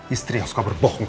istri yang suka berbohong